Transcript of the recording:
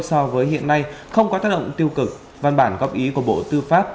so với hiện nay không có tác động tiêu cực văn bản góp ý của bộ tư pháp